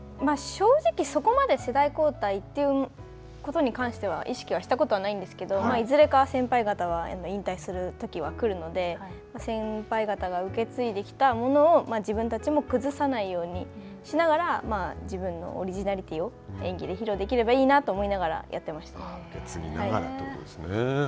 正直そこまで世代交代ということに関しては意識はしたことはないんですけれども、まあいずれか先輩方は引退するときは来るので、先輩方が受け継いできたものを自分たちも崩さないようにしながら自分のオリジナリティーを演技で披露できればいいなと思っ受け継ぎながらということですね。